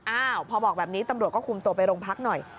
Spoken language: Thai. อ้าวพอบอกแบบนี้ตำรวจก็คุมตัวไปโรงพักหน่อย